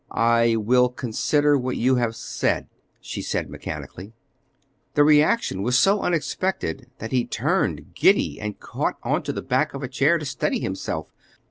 "I will consider what you have said," she said mechanically. The reaction was so unexpected that he turned giddy and caught on to the back of a chair to steady himself.